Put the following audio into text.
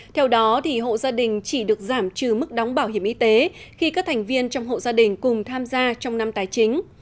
theo đó hộ gia đình chỉ được giảm trừ mức đóng bảo hiểm y tế khi các thành viên trong hộ gia đình cùng tham gia trong năm tài chính